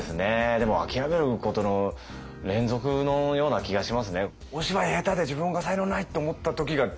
でもあきらめることの連続のような気がしますね。